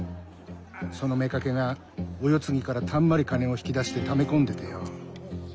その妾がお世継ぎからたんまり金を引き出してため込んでてよ。